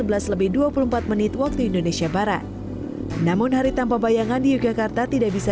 sebelas lebih dua puluh empat menit waktu indonesia barat namun hari tanpa bayangan di yogyakarta tidak bisa